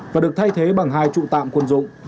và được thay thế bằng hai trụ tạm quân dụng